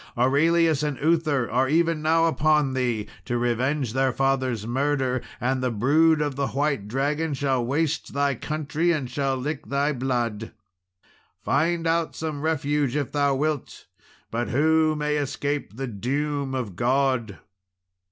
Aurelius and Uther are even now upon thee to revenge their father's murder; and the brood of the white dragon shall waste thy country, and shall lick thy blood. Find out some refuge, if thou wilt! but who may escape the doom of God?"